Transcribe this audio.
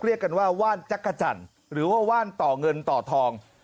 เรียกกันว่าว่านจักรจันทร์หรือว่าว่านต่อเงินต่อทอง